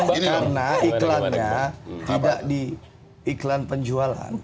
karena iklannya tidak di iklan penjualan